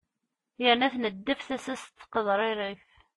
yerna tneddef tasa-s tettqeḍririf